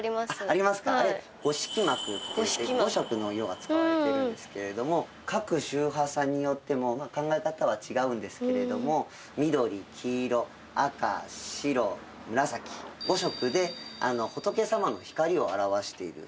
あれ五色幕っていって５色の色が使われているんですけれども各宗派さんによっても考え方は違うんですけれども緑黄色赤白紫５色で仏様の光を表している。